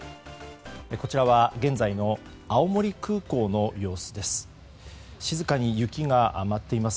こちらは現在の青森空港の様子です。